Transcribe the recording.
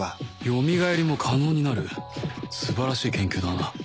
よみがえりも可能になる素晴らしい研究だな。